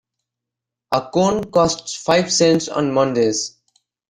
A cone costs five cents on Mondays.